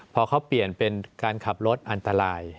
พอเขาเปลี่ยนเป็นการขับรถอันตราย